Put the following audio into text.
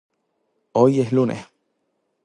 Hoy es lunes.